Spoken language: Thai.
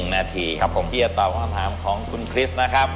นาทีที่จะตอบคำถามของคุณคริสต์นะครับ